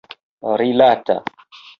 rilata